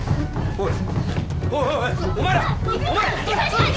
おい！